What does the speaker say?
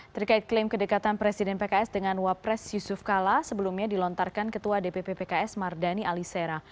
terkait klaim kedekatan presiden pks dengan wapres yusuf kala sebelumnya dilontarkan ketua dpp pks mardani alisera